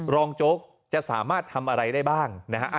โจ๊กจะสามารถทำอะไรได้บ้างนะฮะ